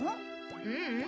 ううん。